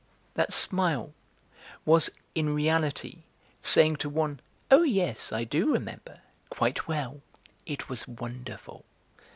That smile was, in reality, saying to one: "Oh yes, I do remember, quite well; it was wonderful!"